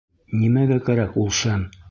— Нимәгә кәрәк ул шәм.